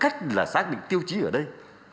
cách là xác định tiêu chí ở đây